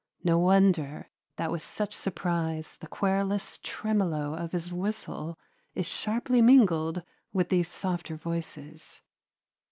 No wonder that with such surprise the querulous tremolo of his whistle is sharply mingled with these softer voices.